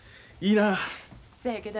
いいなあ。